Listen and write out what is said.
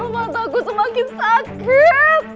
mata aku semakin sakit